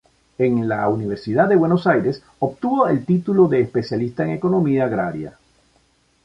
En la Universidad de Buenos Aires obtuvo el título de Especialista en Economía Agraria.